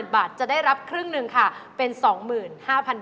๕๐๐๐๐บาทจะได้รับครึ่งหนึ่งเป็น๒๕๐๐๐บาท